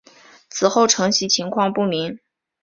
此后承袭情况不明。